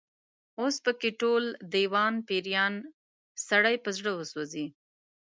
اوس په کې ټول، دېوان پيریان، سړی په زړه وسوځي